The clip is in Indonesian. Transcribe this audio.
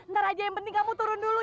ntar aja yang penting kamu turun dulu